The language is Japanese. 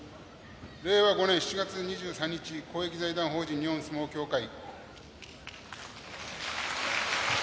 令和５年７月２３日公益財団法人日本相撲協会